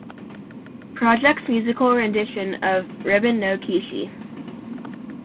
Project's musical rendition of "Ribbon no Kishi".